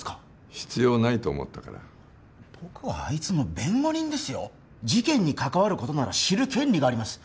必要ないと思ったから僕はあいつの弁護人ですよ事件に関わることなら知る権利があります